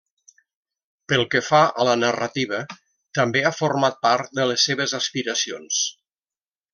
Pel que fa a la narrativa, també ha format part de les seves aspiracions.